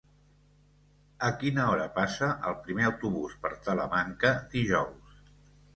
A quina hora passa el primer autobús per Talamanca dijous?